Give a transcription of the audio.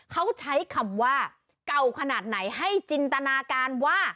เขาใช้คำว่าเก่าขนาดไหนให้จินตนาการว่า